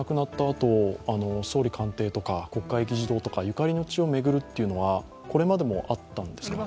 あと総理官邸とか国会議事堂とかゆかりの地を巡るというのはこれまでもあったんですか。